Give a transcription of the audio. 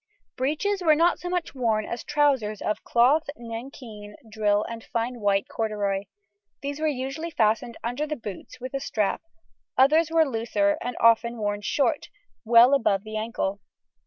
Breeches were not so much worn as trousers of cloth, nankeen, drill, and fine white corduroy; these were usually fastened under the boots with a strap, others were looser and often worn short, well above the ankle.